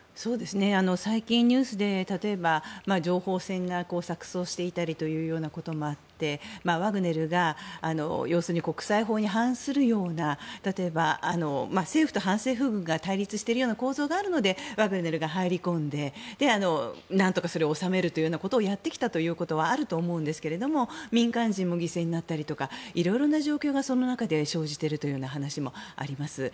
最近、ニュースで例えば情報戦が錯そうしていたりということもあってワグネルが要するに国際法に反するような例えば政府と反省軍が対立しているような構造があるのでワグネルが入り込んでなんとかそれを収めるということをやってきたということはあると思うんですが民間人も犠牲になったり色々な状況がその中で生じているという話もあります。